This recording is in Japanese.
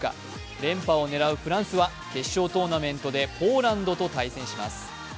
連覇を狙うフランスは決勝トーナメントでポーランドと対戦します。